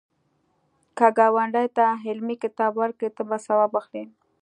که ګاونډي ته علمي کتاب ورکړې، ته به ثواب واخلی